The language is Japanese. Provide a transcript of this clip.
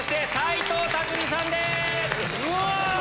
うわ！